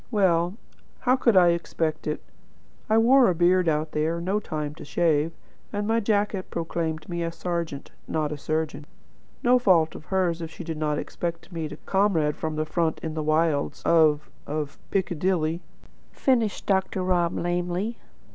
Well, how could I expect it? I wore a beard out there; no time to shave; and my jacket proclaimed me a serjeant, not a surgeon. No fault of hers if she did not expect to meet a comrade from the front in the wilds of of Piccadilly," finished Dr. Rob lamely.